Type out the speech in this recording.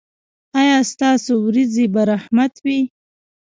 ایا ستاسو ورېځې به رحمت وي؟